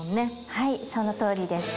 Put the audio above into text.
はいその通りです。